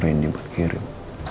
rasanya nggak fan atau marin